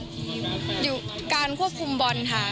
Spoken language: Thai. ความยากอยู่การควบคุมบอลค่ะ